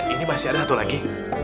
ini masih ada satu lagi